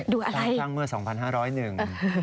ดูอะไรสร้างเมื่อ๒๕๐๐หนึ่ง